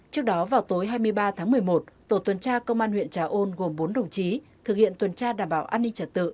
trước đó vào tối hai mươi ba tháng một mươi một tổ tuần tra công an huyện trà ôn gồm bốn đồng chí thực hiện tuần tra đảm bảo an ninh trật tự